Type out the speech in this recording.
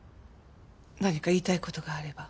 何か言いたい事があれば。